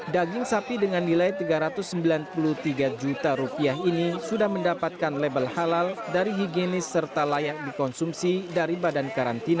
daging sapi dengan nilai rp tiga ratus sembilan puluh tiga juta rupiah ini sudah mendapatkan label halal dari higienis serta layak dikonsumsi dari badan karantina